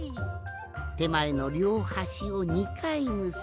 てまえのりょうはしを２かいむすんで。